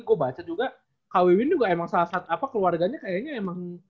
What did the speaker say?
gue baca juga kak wewin juga emang salah satu keluarganya kayaknya emang